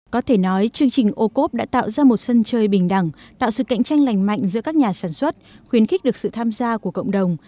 có thể nói chương trình ô cốp đã tạo ra một sân chơi bình đẳng tạo sự cạnh tranh lành mạnh giữa các nhà sản xuất khuyến khích được sự tham gia của cộng đồng